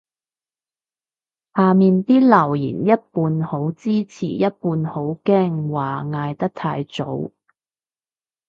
下面啲留言一半好支持一半好驚話嗌得太早